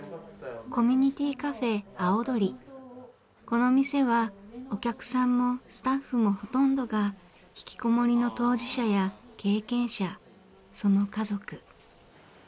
この店はお客さんもスタッフもほとんどがひきこもりの当事者や経験者その家族。